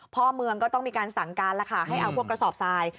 พ่อเมืองก็ต้องมีการสั่งการแล้วค่ะให้เอาพวกกระสอบทราย